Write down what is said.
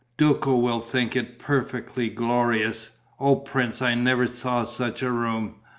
"Duco will think it perfectly glorious. Oh, prince, I never saw such a room!